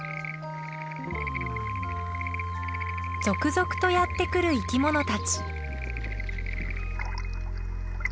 続々とやって来る生き物たち。